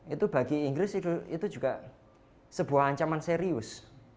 itu bagi inggris itu juga sebuah ancaman serius